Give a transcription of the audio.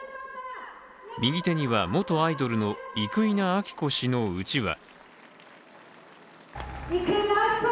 右手には、元アイドルの生稲晃子氏のうちわ。